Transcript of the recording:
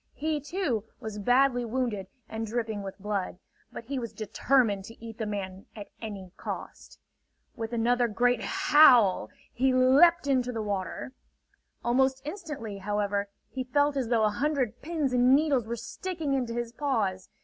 He, too, was badly wounded and dripping with blood; but he was determined to eat the man at any cost. With another great howl, he leaped into the water. Almost instantly, however, he felt as though a hundred pins and needles were sticking into his paws.